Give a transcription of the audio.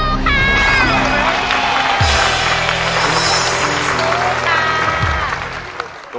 สู้ค่ะ